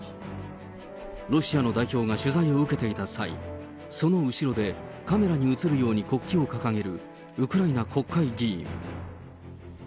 ロシアの代表が取材を受けていた際、その後ろでカメラに映るように国旗を掲げるウクライナ国会議員。